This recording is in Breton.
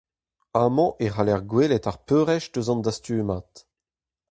Amañ e c'haller gwelet ar peurrest eus an dastumad.